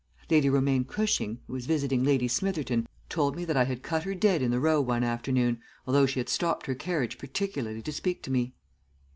Lady Romaine Cushing, who was visiting Lady Smitherton, told me that I had cut her dead in the Row one afternoon, although she had stopped her carriage particularly to speak to me.